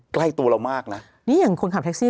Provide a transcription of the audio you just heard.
ใกล้ตัวเรามากนะนี่อย่างคนขับแท็กซี่